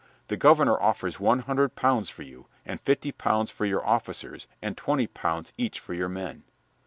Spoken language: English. The governor offers one hundred pounds for you, and fifty pounds for your officers, and twenty pounds each for your men."